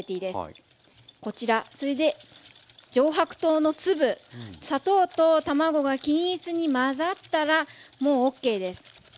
こちらそれで上白糖の粒砂糖と卵が均一に混ざったらもうＯＫです。